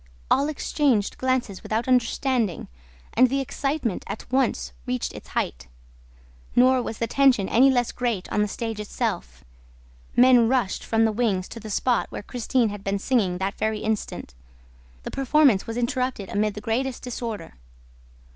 All exchanged glances without understanding, and the excitement at once reached its height. Nor was the tension any less great on the stage itself. Men rushed from the wings to the spot where Christine had been singing that very instant. The performance was interrupted amid the greatest disorder.